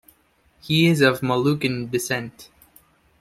He is of Moluccan descent.